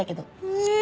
へえ！